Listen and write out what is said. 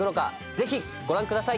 ぜひご覧ください。